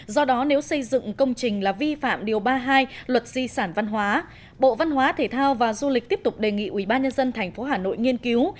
do đó nếu xây dựng công trình là vi phạm điều ba mươi hai luật di sản văn hóa bộ văn hóa thể thao và du lịch tiếp tục đề nghị ubnd tp hà nội nghiên cứu